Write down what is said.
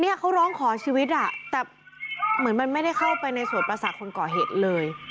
เนี่ยเขาร้องขอชีวิตอ่ะแต่เหมือนมันไม่ได้เข้าไปในสวดประสาทคนก่อเหตุเลย